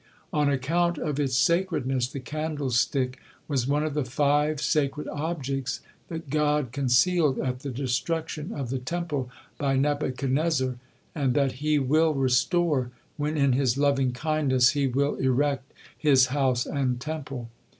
On account of its sacredness the candlestick was one of the five sacred objects that God concealed at the destruction of the Temple by Nebuchadnezzar, and that He will restore when in His loving kindness He will erect His house and Temple.